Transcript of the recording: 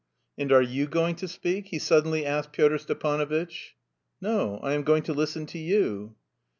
"And are you going to speak?" he suddenly asked Pyotr Stepanovitch. "No, I am going to listen to you."